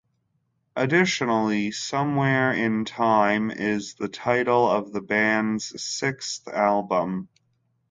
Additionally, Somewhere in Time is the title of the band's sixth album.